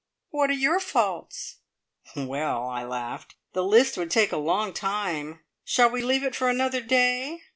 "What are your faults?" "Well," I laughed, "the list would take a long time! Shall we leave it for another day?